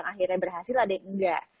ada yang akhirnya berhasil ada yang nggak